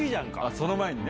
その前にね。